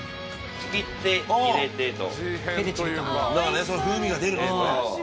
ちぎって入れてと。